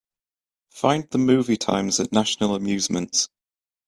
Find the movie times at National Amusements.